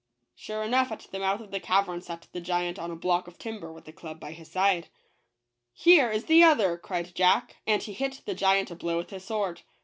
Sure enough, at the mouth of the cavern sat the giant on a block of timber, with a club by his side. " Here is the other," cried Jack, and he hit the giant a blow with his sword.